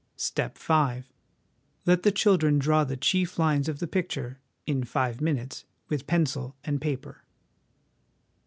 " Step V. Let the children draw the chief lines of the picture, in five minutes, with pencil and paper."